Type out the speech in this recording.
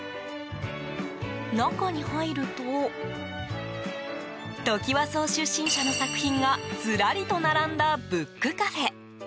中に入るとトキワ荘出身者の作品がずらりと並んだブックカフェ。